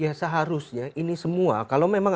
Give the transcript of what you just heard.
ya seharusnya ini semua kalau memang